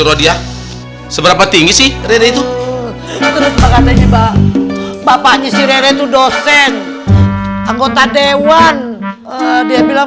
rodiah seberapa tinggi sih rere itu terus katanya bapaknya si rere itu dosen anggota dewan dia bilang